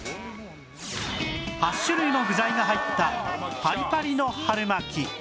８種類の具材が入ったパリパリの春巻